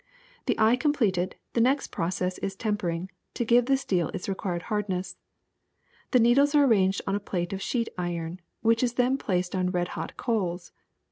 *^The eye completed, the next process is tempering, to give the steel its required hardness. The needles are arranged on a plate of sheet iron, which is then placed on red hot coals.